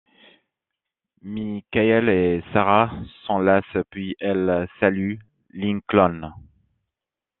Michael et Sara s'enlacent puis elle salue Lincoln.